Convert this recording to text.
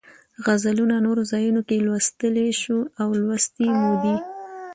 غزلونه نورو ځایونو کې لوستلی شو او لوستې مو دي.